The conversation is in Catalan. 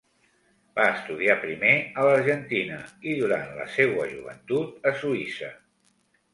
Va estudiar primer a l'Argentina i, durant la seua joventut, a Suïssa.